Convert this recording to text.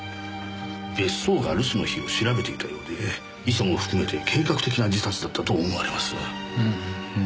別荘が留守の日を調べていたようで遺書も含めて計画的な自殺だったと思われます。